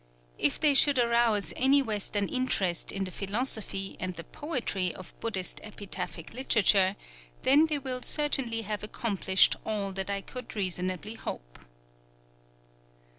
If they should arouse any Western interest in the philosophy and the poetry of Buddhist epitaphic literature, then they will certainly have accomplished all that I could reasonably hope.